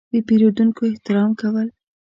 – د پېرودونکو احترام کول.